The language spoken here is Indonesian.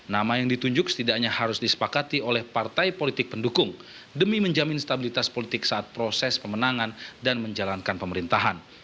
nama yang ditunjuk setidaknya harus disepakati oleh partai politik pendukung demi menjamin stabilitas politik saat proses pemenangan dan menjalankan pemerintahan